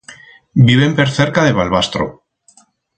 Viven per cerca de Balbastro.